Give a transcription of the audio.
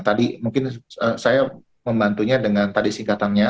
tadi mungkin saya membantunya dengan tadi singkatannya